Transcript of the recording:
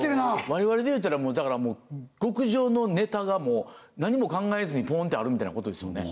我々で言うたらもう極上のネタがもう何も考えずにポンてあるみたいなことですよね